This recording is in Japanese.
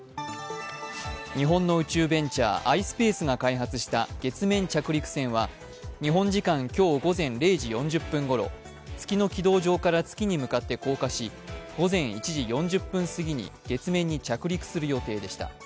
日本の宇宙ベンチャー、ｉｓｐａｃｅが開発した月面着陸船は、日本時間今日午前０時４０分ごろ月の軌道上から月に向かって降下し午前１時４０分過ぎに月面に着陸する予定でした。